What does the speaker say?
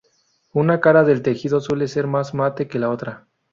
Una cara del tejido suele ser más mate que la otra.